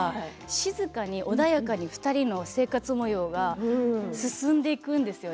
静かに穏やかに２人の生活もようが進んでいくんですよ。